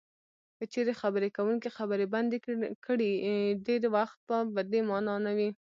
که چېرې خبرې کوونکی خبرې بندې کړي ډېری وخت په دې مانا نه وي.